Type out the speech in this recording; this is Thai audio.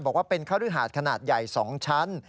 บอกว่าเป็นคฤหาดขนาดใหญ่๒ชั้น